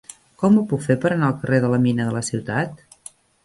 Com ho puc fer per anar al carrer de la Mina de la Ciutat?